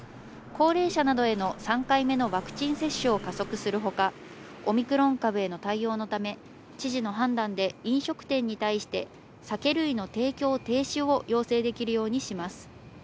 高齢者などへの３回目のワクチン接種を加速するほか、オミクロン株への対応のため知事の判断で飲食店に対して酒類の提供停止を要請できるようにします。